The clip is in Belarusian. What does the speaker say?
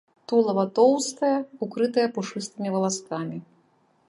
Тулава тоўстае, укрытае пушыстымі валаскамі.